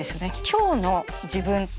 今日の自分。